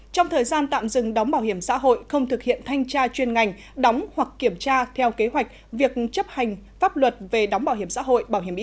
trong thời gian tạm dừng đóng bảo hiểm xã hội không thực hiện thanh tra chuyên ngành đóng hoặc kiểm tra theo kế hoạch việc chấp hành pháp luật về đóng bảo hiểm xã hội